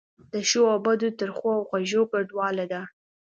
د ښو او بدو، ترخو او خوږو ګډوله ده.